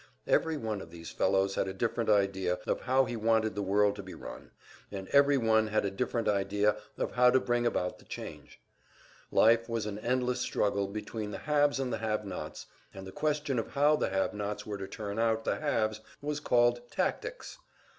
Every one of these fellows had a different idea of how he wanted the world to be run, and every one had a different idea of how to bring about the change. Life was an endless struggle between the haves and the have nots, and the question of how the have nots were to turn out the haves was called "tactics."